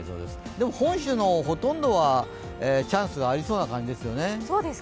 でも、本州のほとんどはチャンスがありそうな感じですよね。